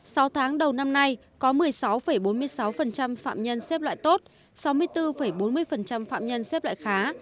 sau tháng đầu năm nay có một mươi sáu bốn mươi sáu phạm nhân xếp loại tốt sáu mươi bốn bốn mươi phạm nhân xếp loại khá